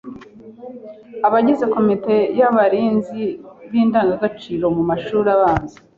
Abagize komite y’abarinzi b’indangagaciro mu mashuri abanza